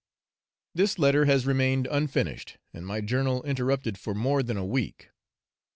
This letter has remained unfinished, and my journal interrupted for more than a week.